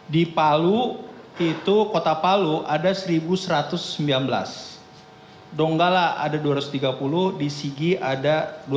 di palu itu kota palu ada seribu satu ratus sembilan belas donggala ada dua ratus tiga puluh di sigi ada dua ratus